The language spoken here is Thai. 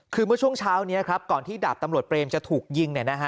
คือเมื่อช่วงเช้านี้ครับก่อนที่ดาบตำรวจเปรมจะถูกยิง